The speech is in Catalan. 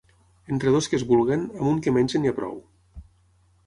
Entre dos que es vulguin, amb un que mengi n'hi ha prou.